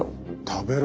食べる！